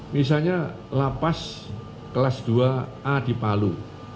misalnya lapas kelas dua a di palu